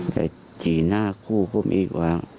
จะจีนหน้าคู่ปุ่มอีกกว่า